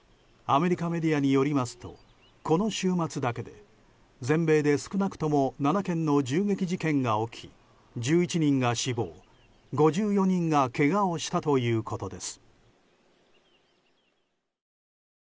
アメリカメディアによりますとこの週末だけで全米で少なくとも７件の銃撃事件が起き１１人が死亡、５４人がけがをしたということです。